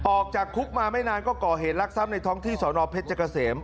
ออกจากคุกมาไม่นานก็ก่อเหตุลักษัพในท้องที่สอนอเพชรเกษม